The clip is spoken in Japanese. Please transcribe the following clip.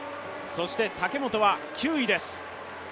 そして武本は９位です。